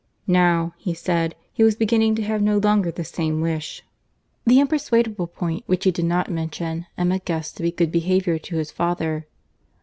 Now, he said, he was beginning to have no longer the same wish. The unpersuadable point, which he did not mention, Emma guessed to be good behaviour to his father.